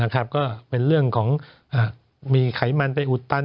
ก็เป็นเรื่องของมีไขมันไปอุดตัน